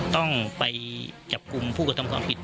ต้องไปจับกลุ่มผู้กระทำความผิด